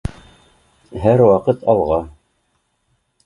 Һәр ваҡыт алға